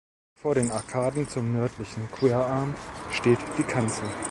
Vor den Arkaden zum nördlichen Querarm steht die Kanzel.